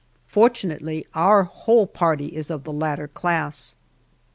Fortunately, our whole party is of the latter class.